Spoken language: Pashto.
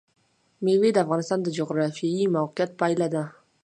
مېوې د افغانستان د جغرافیایي موقیعت پایله ده.